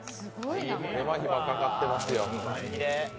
手間暇かかってますよ。